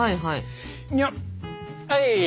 はいはい。